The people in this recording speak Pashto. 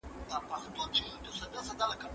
سړه هوا د عضلو د انرژۍ تولید راکموي.